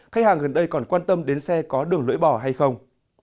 khách hàng gần đây còn quan tâm đến xe có đường lưỡi bò hay không